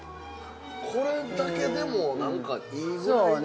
これだけでも、なんかいいぐらいのね。